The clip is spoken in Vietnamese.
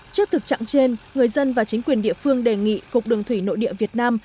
trước thực trạng trên người dân và chính quyền địa phương đề nghị cục đường thủy nội địa việt nam